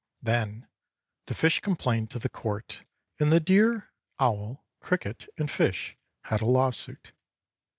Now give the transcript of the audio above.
Then the fish complained to the court, and the deer, owl, cricket, and fish had a lawsuit.